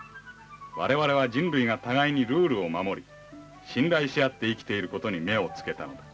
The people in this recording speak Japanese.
我々は人類が互いにルールを守り信頼し合って生きていることに目をつけたのだ。